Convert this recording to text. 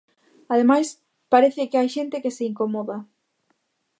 Ademais, parece que hai xente que se incomoda.